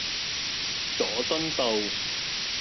佐敦道